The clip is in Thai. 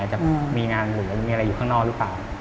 จะมีงานเหลือมีอะไรอยู่ข้างนอกหรือเปล่า